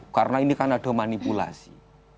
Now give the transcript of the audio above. karena ini kan ada manipulasi